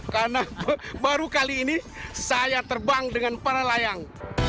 karena baru kali ini saya terbang dengan para layang